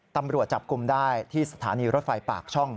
ตำรวจจับกลุ่มได้ที่สถานีรถไฟปากช่อง